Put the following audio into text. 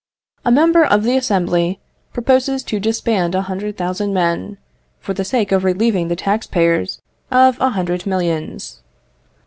A member of the assembly proposes to disband a hundred thousand men, for the sake of relieving the tax payers of a hundred millions.